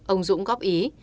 ông dũng góp ý